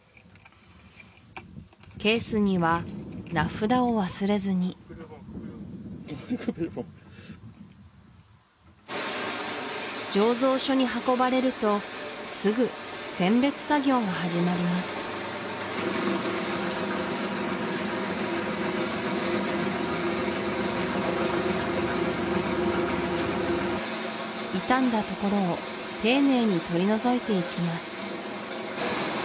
ケースには名札を忘れずに醸造所に運ばれるとすぐ選別作業が始まります傷んだ所を丁寧に取り除いていきます